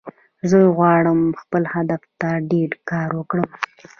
زه غواړم خپل هدف ته ډیر کار وکړم